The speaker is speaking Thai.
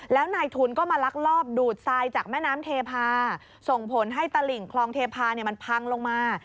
แล้วนายทุนก็มาลักลอบดูดทรายจากแม่น้ำเทพาส่งผลให้ตลิ่งคลองเทพามันพังลงมา